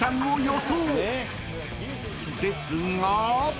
［ですが］